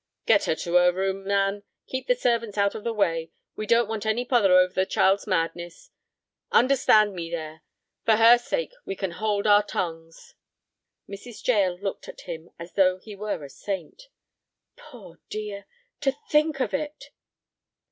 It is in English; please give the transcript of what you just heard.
"Get her to her room, Nan. Keep the servants out of the way. We don't want any pother over the child's madness. Understand me there; for her sake we can hold our tongues." Mrs. Jael looked at him as though he were a saint. "Poor dear, to think of it!"